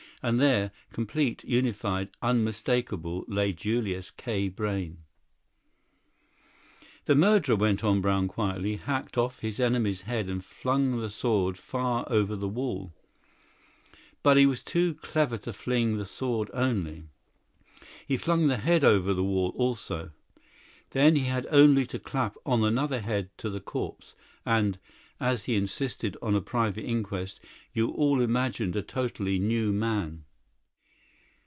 And there, complete, unified, unmistakable, lay Julius K. Brayne. "The murderer," went on Brown quietly, "hacked off his enemy's head and flung the sword far over the wall. But he was too clever to fling the sword only. He flung the head over the wall also. Then he had only to clap on another head to the corpse, and (as he insisted on a private inquest) you all imagined a totally new man."